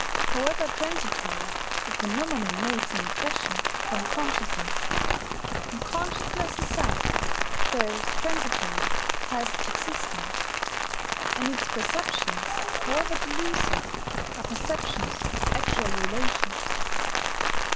However transitory, the phenomenon makes an impression upon consciousness; and consciousness itself, though transitory, has existence; and its perceptions, however delusive, are perceptions of actual relation.